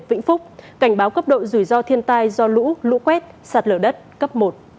vĩnh phúc cảnh báo cấp độ rủi ro thiên tai do lũ lũ quét sạt lở đất cấp một